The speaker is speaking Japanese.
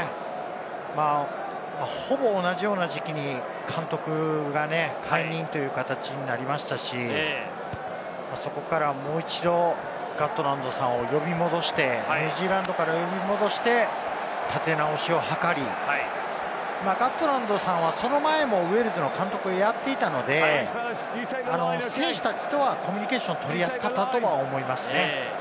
ほぼ同じような時期に監督が解任という形になりましたし、そこからもう一度、ガットランドさんを呼び戻して、ニュージーランドから呼び戻して立て直しを図り、ガットランドさんはその前もウェールズの監督をやっていたので、選手たちとはコミュニケーションは取りやすかったとは思いますね。